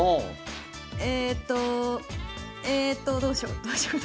えとえとどうしよう。